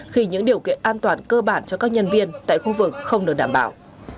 khi những điều kiện an toàn cơ bản cho các nhân viên tại khu vực không được đảm bảo